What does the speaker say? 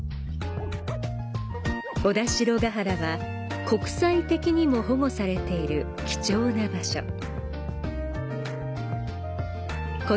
小田代原は国際的にも保護されている貴重な場所。